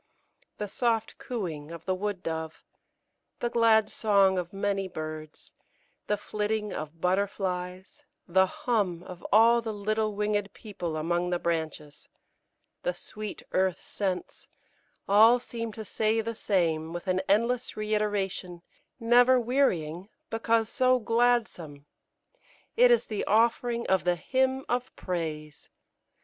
The soft cooing of the wood dove, the glad song of many birds, the flitting of butterflies, the hum of all the little winged people among the branches, the sweet earth scents all seem to say the same, with an endless reiteration, never wearying because so gladsome. It is the offering of the Hymn of Praise!